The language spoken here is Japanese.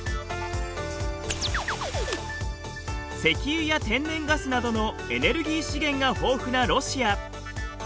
石油や天然ガスなどのエネルギー資源が豊富なロシア。